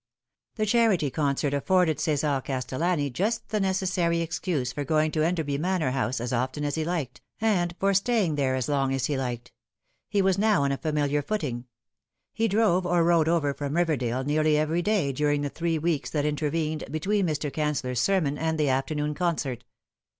THE charity concert afforded Ce"sar Castellani just the necessary excuse for going to Enderby Manor House as often as he liked, and for staying there as long as he liked. He was now on a familiar footing. He drove or rode over from Riverdale nearly every day during the three weeks that intervened between Mr. Cancellor's sermon and the afternoon concert.